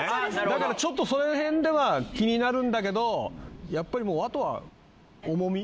だからちょっとそのへんでは気になるんだけどやっぱりもうあとは重み？